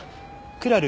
クラル